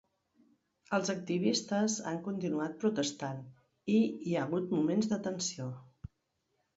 Els activistes han continuat protestant i hi ha hagut moments de tensió.